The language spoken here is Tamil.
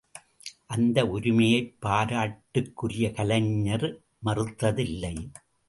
அந்த உரிமையைப் பாராட்டுக்குரிய கலைஞர் மறுத்ததில்லை.